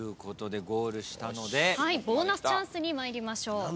ボーナスチャンスに参りましょう。